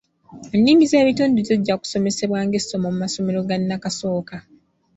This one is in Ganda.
Ennimi z’ebitundu zijja kusomesebwa ng’essomo mu masomero ga nnakasooka.